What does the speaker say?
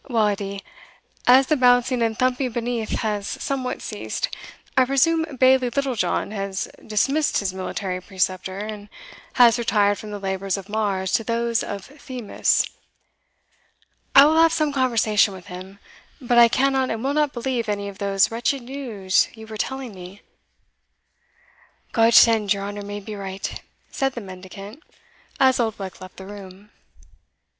"Well, Edie, as the bouncing and thumping beneath has somewhat ceased, I presume Bailie Littlejohn has dismissed his military preceptor, and has retired from the labours of Mars to those of Themis I will have some conversation with him But I cannot and will not believe any of those wretched news you were telling me." "God send your honour may be right!" said the mendicant, as Oldbuck left the room.